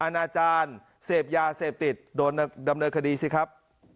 นาจารย์เสพยาเสพติดโดนดำเนินคดีสิครับ